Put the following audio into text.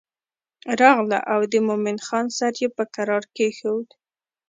راغله او د مومن خان سر یې په کرار کېښود.